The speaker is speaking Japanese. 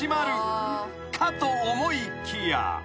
［かと思いきや］